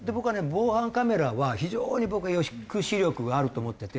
防犯カメラは非常に僕抑止力があると思ってて。